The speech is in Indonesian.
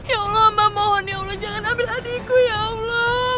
ya allah memohon ya allah jangan ambil adikku ya allah